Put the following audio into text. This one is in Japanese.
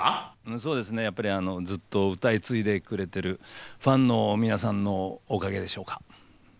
そうですねやっぱりずっと歌い継いでくれてるファンの皆さんのおかげでしょうか。